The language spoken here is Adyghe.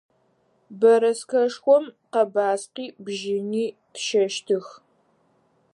Бэрэскэшхом къэбаскъи бжьыни тщэщтых.